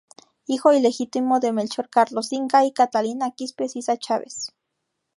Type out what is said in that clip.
Hijo ilegítimo de Melchor Carlos Inca y "Catalina Quispe Sisa Chávez".